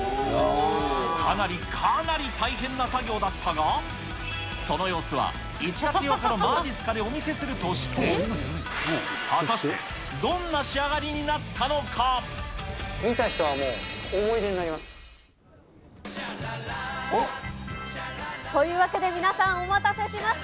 かなり、かなり大変な作業だったが、その様子は１月８日のまじっすかでお見せするとして、果たしてど見た人はもう、思い出になりというわけで皆さん、お待たせしました。